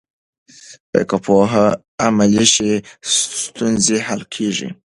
که پوهه عملي شي، ستونزې حل کېږي.